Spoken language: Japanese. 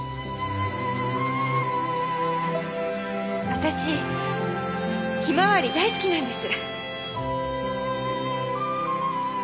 わたしひまわり大好きなんです